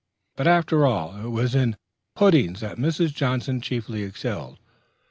But, after all, it was in puddings that Mrs. Johnson chiefly excelled.